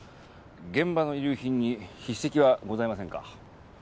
現場の遺留品に筆跡はございませんか？